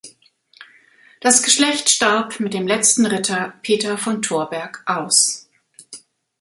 Das Geschlecht starb mit dem letzten Ritter Peter von Thorberg aus.